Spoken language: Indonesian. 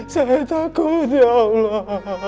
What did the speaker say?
saya takut ya allah